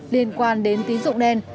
liên quan đến tín dụng đen